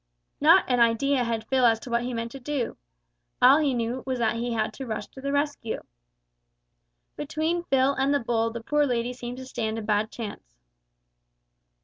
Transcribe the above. Not an idea had Phil as to what he meant to do. All he knew was that he had to rush to the rescue! Between Phil and the bull the poor lady seemed to stand a bad chance.